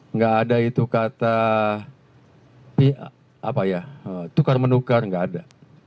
enggak ada itu kata tukar menukar enggak ada